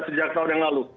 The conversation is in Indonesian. sejak tahun yang lalu